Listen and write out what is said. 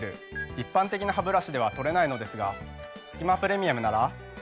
一般的なハブラシでは取れないのですがすき間プレミアムなら。